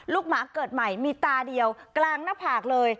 หมาเกิดใหม่มีตาเดียวกลางหน้าผากเลย